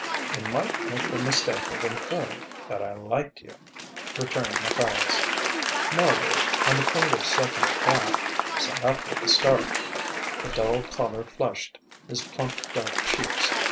"They might make the mistake of inferring that I liked you," returned Matthias. Marbridge, on the point of settling back, sat up with a start. A dull colour flushed his plump, dark cheeks.